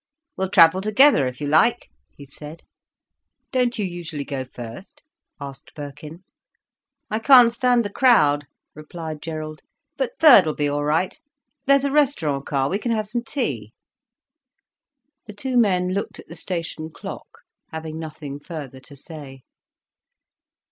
"We'll travel together if you like," he said. "Don't you usually go first?" asked Birkin. "I can't stand the crowd," replied Gerald. "But third'll be all right. There's a restaurant car, we can have some tea." The two men looked at the station clock, having nothing further to say.